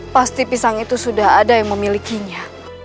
pasti pisang itu sudah ada yang memilikinya